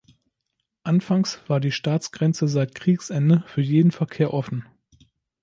Anfangs war die Staatsgrenze seit Kriegsende für jeden Verkehr offen.